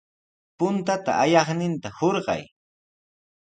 Puntata ayaqninta hurqay.